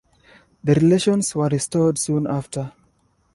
The relations were restored soon after.